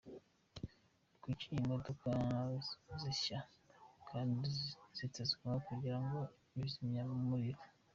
Kuki imodoka zishya kandi zitegetswe kugira ibizimya umuriro?